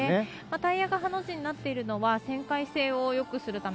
タイヤがハの字になっているのは旋回性をよくするため。